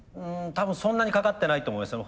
多分そんなにかかってないと思います。